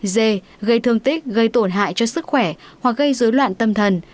d gây thương tích gây tổn hại cho sức khỏe hoặc gây dối loạn tâm thần